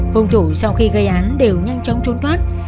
hùng thủ sau khi gây án đều nhanh chóng trốn thoát